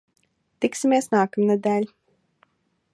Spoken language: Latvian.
Tiksimies nākamnedēļ!